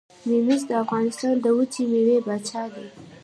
ممیز د افغانستان د وچې میوې پاچا دي.